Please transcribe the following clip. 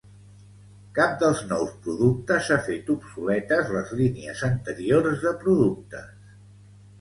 Cap dels nous productes ha fet obsoletes les línies anteriors de productes.